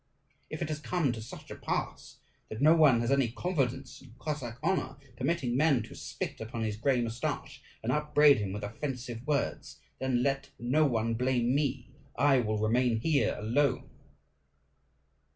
If it has come to such a pass that no one has any confidence in Cossack honour, permitting men to spit upon his grey moustache, and upbraid him with offensive words, then let no one blame me; I will remain here alone."